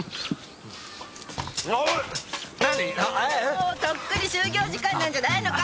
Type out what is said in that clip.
もうとっくに就業時間なんじゃないのか！